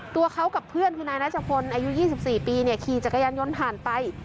ตัวเขากับเพื่อนคือนายนาจจักรคนอายุยี่สิบสี่ปีเนี่ยขี่จักรยานยนต์ผ่านไป